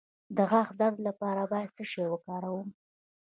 د غاښ د درد لپاره باید څه شی وکاروم؟